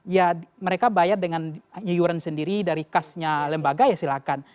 ya mereka bayar dengan yuran sendiri dari kasnya lembaga ya silahkan